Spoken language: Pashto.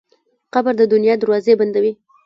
قبر د دنیا دروازې بندوي.